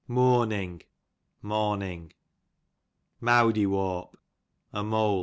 Mournin«;, morning. Mowdywarp, a mole.